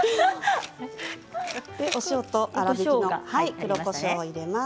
お塩と粗びき黒こしょうを入れます。